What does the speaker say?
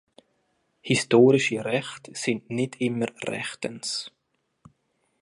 Historische Rechte sind nicht immer rechtens.